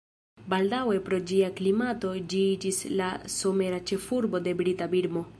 Baldaŭe pro ĝia klimato ĝi iĝis la somera ĉefurbo de brita Birmo.